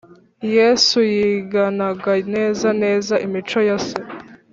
Yesu yiganaga neza neza imico ya se